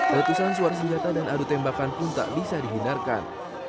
ratusan suara senjata dan adu tembakan pun tak bisa dihindarkan